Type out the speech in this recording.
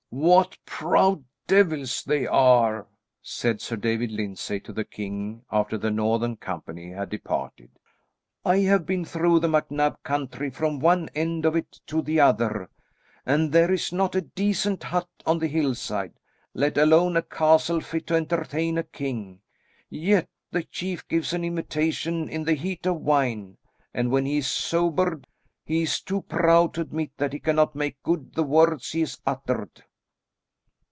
"What proud 'deevils' they are," said Sir David Lyndsay to the king after the northern company had departed. "I have been through the MacNab country from one end of it to the other, and there is not a decent hut on the hillside, let alone a castle fit to entertain a king, yet the chief gives an invitation in the heat of wine, and when he is sobered, he is too proud to admit that he cannot make good the words he has uttered."